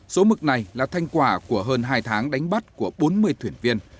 số mực này là thanh quả của hơn hai tháng đánh bắt của bốn mươi thuyền viên